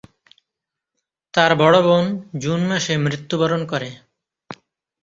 তার বড় বোন জুন মাসে মৃত্যুবরণ করে।